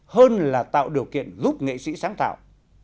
hơn là tạo điều kiện giúp nghệ sĩ sáng tạo